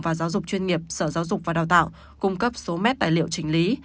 và giáo dục chuyên nghiệp sở giáo dục và đào tạo cung cấp số med tài liệu trình lý